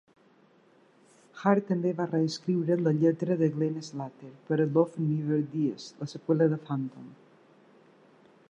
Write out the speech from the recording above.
Hart també va reescriure la lletra de Glenn Slater per a "Love Never Dies", la seqüela de "Phantom".